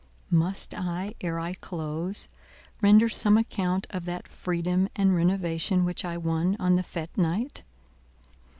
Must I, ere I close, render some account of that Freedom and Renovation which I won on the fête night?